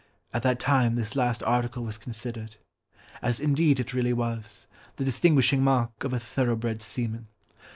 At that time this last article was considered, as indeed it really was, the distinguishing mark of a thoroughbred seaman.